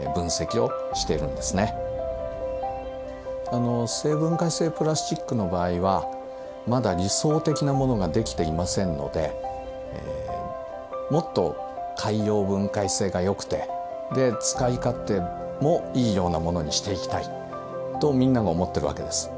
あの生分解性プラスチックの場合はまだ理想的なものができていませんのでもっと海洋分解性がよくてで使い勝手もいいようなものにしていきたいとみんなが思ってるわけです。